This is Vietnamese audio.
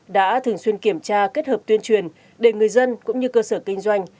đã thường xuyên kiểm tra kết hợp tuyên truyền để người dân cũng như cơ sở kinh doanh